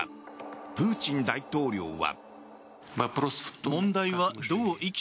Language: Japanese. プーチン大統領は。